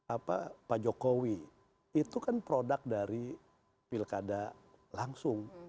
apa pak jokowi itu kan produk dari pilkada langsung